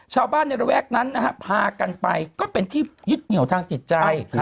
ชาวบ้านในระแวกนั้นนะฮะพากันไปก็เป็นที่ยึดเหนียวทางจิตใจ